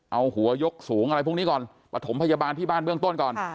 เอาหัวยกสูงอะไรพวกนี้ก่อนประถมพยาบาลที่บ้านเบื้องต้นก่อน